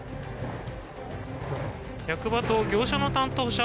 役場と業者の担当者